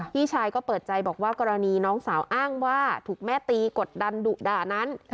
พี่ชายก็เปิดใจบอกว่ากรณีน้องสาวอ้างว่าถูกแม่ตีกดดันดุด่านั้น